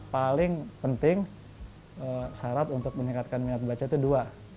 paling penting syarat untuk meningkatkan minat baca itu dua